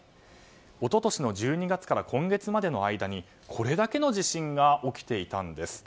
一昨年１２月から今月までの間にこれだけの地震が起きていたんです。